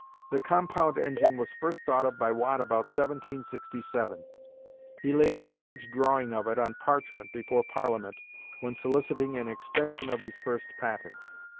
The compound engine was first thought of by Watt about 1767. He laid a large drawing of it on parchment before parliament when soliciting an extension of his first patent.